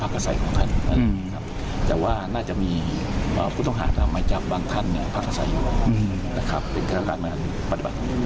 ก็ยังไม่เจออะไร